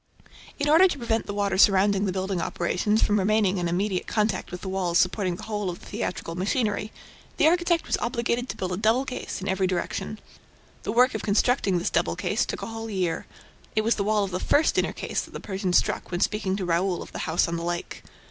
In order to prevent the water surrounding the building operations from remaining in immediate contact with the walls supporting the whole of the theatrical machinery, the architect was obliged to build a double case in every direction. The work of constructing this double case took a whole year. It was the wall of the first inner case that the Persian struck when speaking to Raoul of the house on the lake.